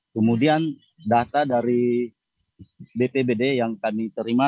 kemudian data dari bpbd yang kami terima